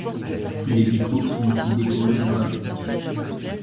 Les vitraux sont aussi décorés d'arabesques.